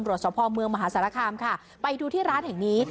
สภาพเมืองมหาสารคามค่ะไปดูที่ร้านแห่งนี้